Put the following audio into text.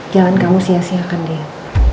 jangan kamu sia siakan dia